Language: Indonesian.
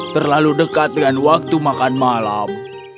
terlalu dekat dengan waktu makan malam